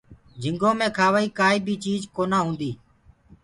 جهنگو مي کآوآ ڪيٚ ڪآئي بي چيج ڪونآ هوندي۔